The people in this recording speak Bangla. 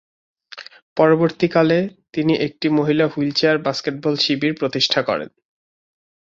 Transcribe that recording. পরবর্তীকালে, তিনি একটি মহিলা হুইলচেয়ার বাস্কেটবল শিবির প্রতিষ্ঠা করেন।